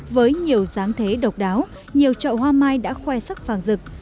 với nhiều dáng thế độc đáo nhiều chậu hoa mai đã khoe sắc vàng rực